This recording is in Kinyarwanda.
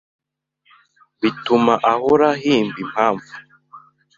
Bituma ahora ahimba impamvu